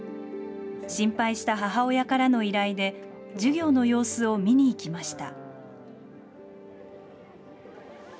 心配した母親からの依頼で、授業の様子を見に行きました。